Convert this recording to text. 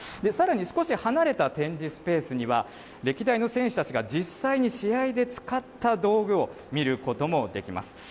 さらに少し離れた展示スペースには、歴代の選手たちが実際に試合で使った道具を見ることもできます。